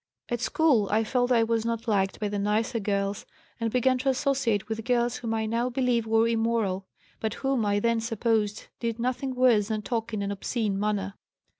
At school I felt I was not liked by the nicer girls and began to associate with girls whom I now believe were immoral, but whom I then supposed did nothing worse than talk in an obscene manner.